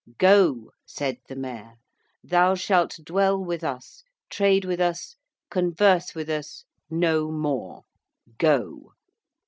'Go,' said the Mayor. 'Thou shalt dwell with us; trade with us; converse with us; no more. Go.'